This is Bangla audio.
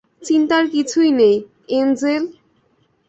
চিন্তার কিছু নেই, এঞ্জেল।